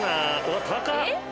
わっ高っ！